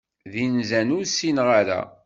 D inzan ur sinneɣ ara.